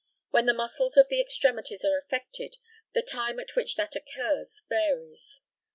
When the muscles of the extremities are affected, the time at which that occurs varies.